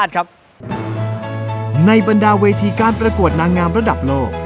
สนุนโดยสถาบันความงามโย